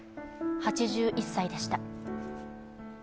８１歳でした。